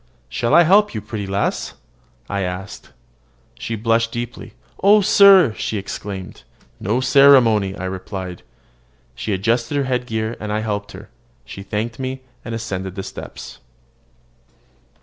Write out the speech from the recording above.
"Shall I help you, pretty lass?" said I. She blushed deeply. "Oh, sir!" she exclaimed. "No ceremony!" I replied. She adjusted her head gear, and I helped her. She thanked me, and ascended the steps.